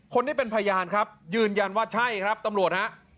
คนที่เป็นพยานครับยืนยันว่าใช่ครับตำรวจฮะ